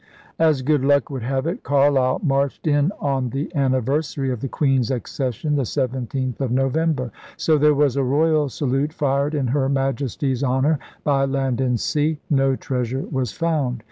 As good luck would have it, Carleill marched in on the anniversary of the Queen's acces sion, the 17th of November. So there was a royal salute fired in Her Majesty's honor by land and sea. No treasure was found.